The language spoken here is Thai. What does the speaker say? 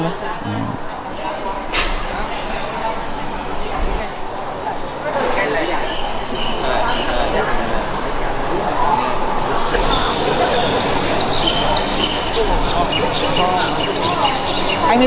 ตัวอย่างใหญ่